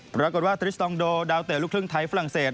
ปรากฏว่าทริสตองโดดาวเตะลูกครึ่งไทยฝรั่งเศส